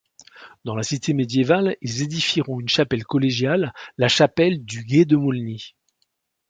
Dans la cité médiévale ils édifieront une chapelle collégiale, la chapelle du Gué-de-Maulny.